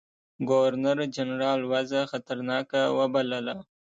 ګورنرجنرال وضع خطرناکه وبلله.